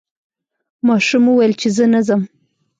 ماشوم وویل چې زه نه ځم.